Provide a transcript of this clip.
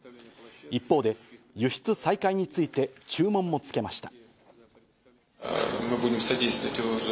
一方で輸出再開について注文もつけました。